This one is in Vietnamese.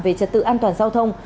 về trật tự an toàn giao thông